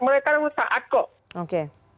mereka yang taat kok